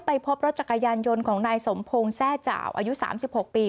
ไปพบรถจักรยานยนต์ของนายสมพงศ์แทร่าวอายุสามสิบหกปี